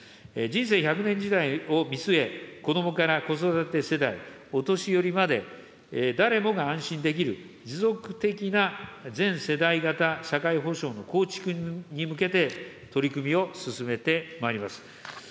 人生１００年時代を見据え、子どもから子育て世代、お年寄りまで、誰もが安心できる持続的な全世代型社会保障の構築に向けて取り組みを進めてまいります。